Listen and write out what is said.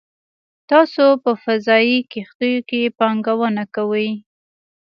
تاسو په فضايي کښتیو کې پانګونه کوئ